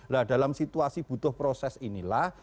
nah dalam situasi butuh proses inilah